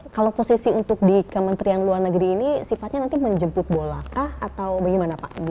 kalau posisi untuk di kementerian luar negeri ini sifatnya nanti menjemput bola kah atau bagaimana pak